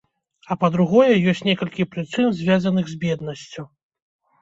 А па-другое, ёсць некалькі прычын, звязаных з беднасцю.